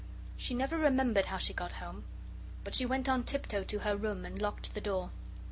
She never remembered how she got home. But she went on tiptoe to her room and locked the door.